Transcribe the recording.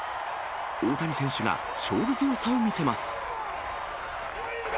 大谷選手が勝負強さを見せます。